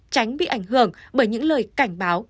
tránh bị ảnh hưởng bởi những lời cảnh báo